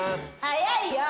早いよ。